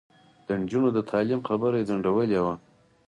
د نجونو د تعلیم خبره یې ځنډولې وه.